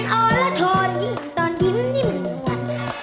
และโชนยิ่งตอนยิ้มที่หม่วน